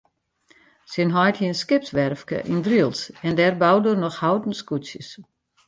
Syn heit hie in skipswerfke yn Drylts en dêr boude er noch houten skûtsjes.